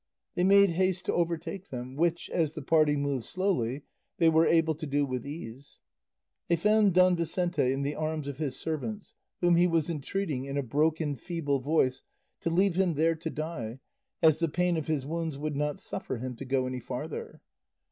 They made haste to overtake them, which, as the party moved slowly, they were able to do with ease. They found Don Vicente in the arms of his servants, whom he was entreating in a broken feeble voice to leave him there to die, as the pain of his wounds would not suffer him to go any farther.